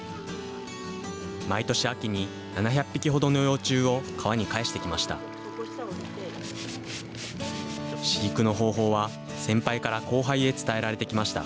毎年秋に、７００匹ほどの幼虫を川に返してきました。